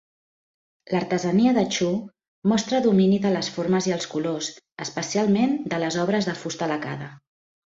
L'artesania de Chu mostra domini de les formes i els colors, especialment de les obres de fusta lacada.